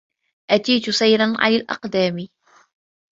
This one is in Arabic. أتيت سيراً على الأقدام.